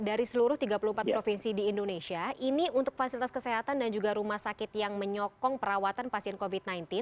dari seluruh tiga puluh empat provinsi di indonesia ini untuk fasilitas kesehatan dan juga rumah sakit yang menyokong perawatan pasien covid sembilan belas